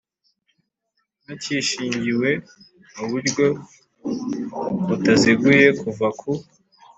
ntakishingiwe mu buryo butaziguye kiva ku